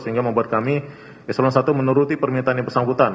sehingga membuat kami eselon i menuruti permintaan yang bersangkutan